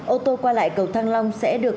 ô tô qua lại cầu thăng long sẽ được